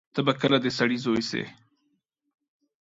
ته به کله د سړی زوی سې.